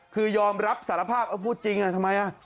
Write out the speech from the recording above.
คือยอมรับสารภาพเอาพูดจริงทำไม